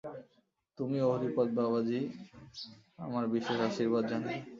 তুমি ও হরিপদ বাবাজী আমার বিশেষ আশীর্বাদ জানিবে।